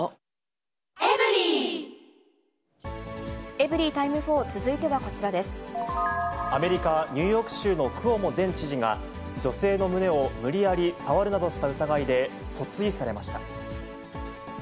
エブリィタイム４、続いてはアメリカ・ニューヨーク州のクオモ前知事が、女性の胸を無理やり触るなどした疑いで、訴追されました。